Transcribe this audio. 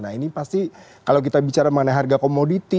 nah ini pasti kalau kita bicara mengenai harga komoditi